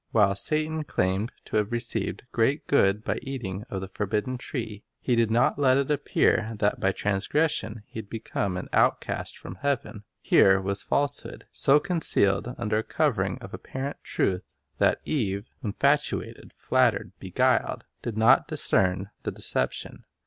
While Satan claimed to have received great good by eating of the forbidden tree, he did not let it appear that by transgression he had become an outcast from heaven. Here was falsehood, so concealed under a covering of apparent truth that Eve, infatuated, flattered, beguiled, did not discern the deception.